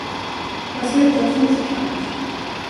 Jag har slutat som musikant.